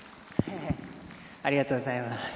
ありがとうございます。